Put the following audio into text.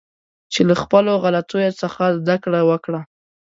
چې له خپلو غلطیو څخه زده کړه وکړه